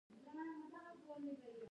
بزګر پاچا دی؟